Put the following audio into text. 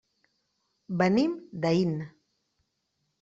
Venim d'Aín.